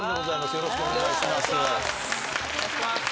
よろしくお願いします。